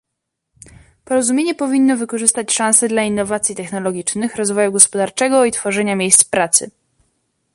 Porozumienie powinno wykorzystać szanse dla innowacji technologicznych, rozwoju gospodarczego i tworzenia miejsc pracy